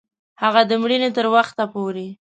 هغه د مړینې تر وخت پوري